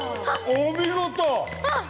お見事！